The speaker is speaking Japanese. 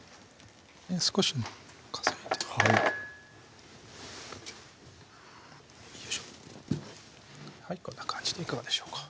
少し飾りはいよいしょこんな感じでいかがでしょうか